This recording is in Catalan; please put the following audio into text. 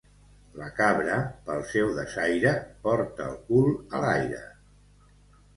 La cabra, pel seu desaire, porta el cul a l'aire.